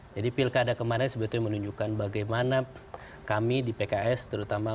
jadi pilkada kemarin sebetulnya menunjukkan bagaimana kami di pks terutama mengajak elemen keumaran